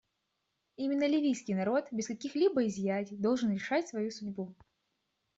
Именно ливийский народ, без каких-либо изъятий, должен решать свою судьбу.